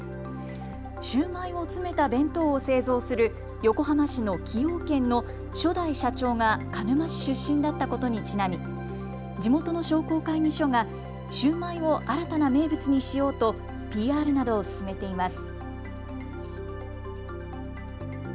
シューマイを詰めた弁当を製造する横浜市の崎陽軒の初代社長が鹿沼市出身だったことにちなみ地元の商工会議所がシューマイを新たな名物にしようとＰＲなどを進めています。